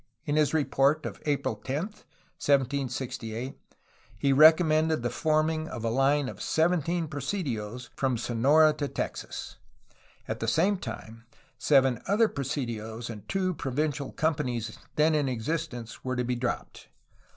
In his report of April 10, 1768, he recommended the forming of a line of seventeen presidios from Sonora to Texas. At the same time seven other presidios and two provincial companies then in existence were to be dropped.